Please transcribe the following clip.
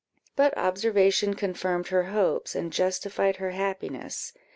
But observation confirmed her hopes, and justified her happiness.